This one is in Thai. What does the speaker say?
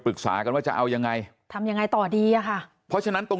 กันว่าจะเอายังไงทำยังไงต่อดีอ่ะค่ะเพราะฉะนั้นตรง